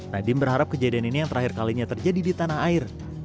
nadiem berharap kejadian ini yang terakhir kalinya terjadi di tanah air